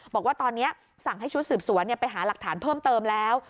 บอกว่าตอนนี้สั่งให้ชุดสืบสวนไปหาหลักฐานเพิ่มเติมแล้ว